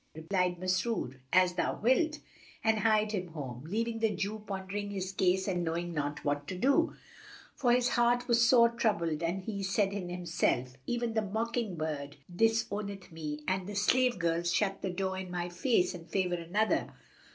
Replied Masrur, "As thou wilt," and hied him home, leaving the Jew pondering his case and knowing not what to do; for his heart was sore troubled and he said in himself, "Even the mocking bird disowneth me and the slave girls shut the door in my face and favour another."